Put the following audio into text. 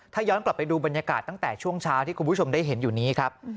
ถ้าย้อนกลับไปดูบรรยากาศตั้งแต่ช่วงเช้าที่คุณผู้ชมได้เห็นอยู่นี้ครับ